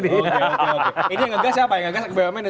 ini oke oke oke ini ngegas apa yang ngegas kebayarannya